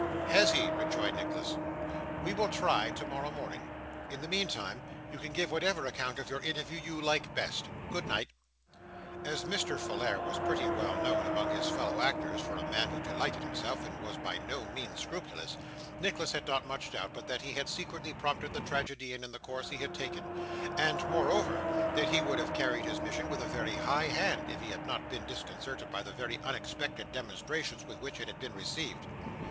'Has he?' rejoined Nicholas. 'We will try, tomorrow morning. In the meantime, you can give whatever account of our interview you like best. Good night.' As Mr. Folair was pretty well known among his fellow actors for a man who delighted in mischief, and was by no means scrupulous, Nicholas had not much doubt but that he had secretly prompted the tragedian in the course he had taken, and, moreover, that he would have carried his mission with a very high hand if he had not been disconcerted by the very unexpected demonstrations with which it had been received.